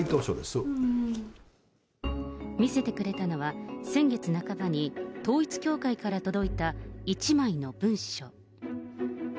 見せてくれたのは、先月半ばに統一教会から届いた１枚の文書。